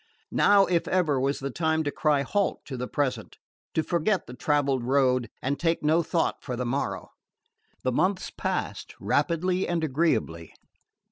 Now if ever was the time to cry "halt!" to the present, to forget the travelled road and take no thought for the morrow... The months passed rapidly and agreeably.